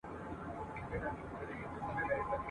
مځکه دي سره ده وچ دي اسمان دی !.